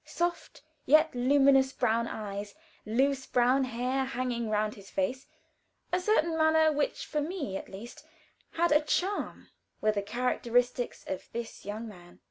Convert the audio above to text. Soft, yet luminous brown eyes, loose brown hair hanging round his face, a certain manner which for me at least had a charm, were the characteristics of this young man.